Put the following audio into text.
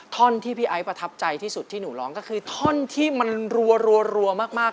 ท่อนที่พี่ไอ้ประทับใจที่สุดที่หนูร้องก็คือท่อนที่มันรัวมาก